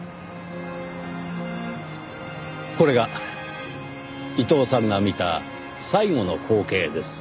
これが伊藤さんが見た最後の光景です。